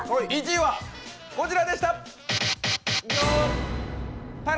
１位はこちらでした！